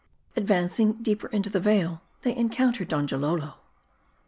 ADVANCING DEEPER INTO THE VALE, THEY ENCOUNTER DONJALOLO.